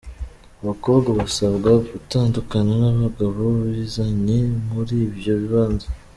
Abakobwa basabwa gutandukana n'abagabo bizanye muri ivyo bibanza.